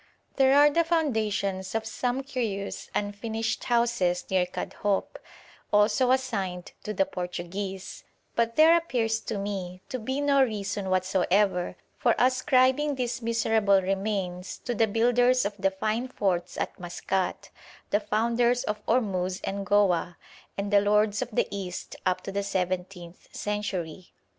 There are the foundations of some curious unfinished houses near Kadhoup, also assigned to the Portuguese; but there appears to me to be no reason whatsoever for ascribing these miserable remains to the builders of the fine forts at Maskat, the founders of Ormuz and Goa, and the lords of the East up to the seventeenth century.